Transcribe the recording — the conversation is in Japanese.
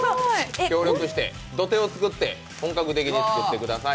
協力して、土手を作って本格的に作ってください。